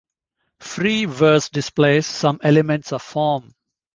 Free verse displays some elements of form.